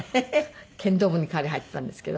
剣道部に彼入っていたんですけど。